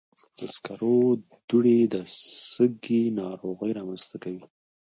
د سکرو دوړې د سږي ناروغۍ رامنځته کوي.